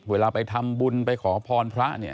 เวลาไปพรพระเนี่ย